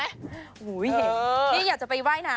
เห็นในน้ำไหว้ไหน